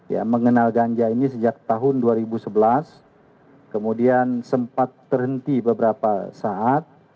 ya mengenal ganja ini sejak tahun dua ribu sebelas kemudian sempat terhenti beberapa saat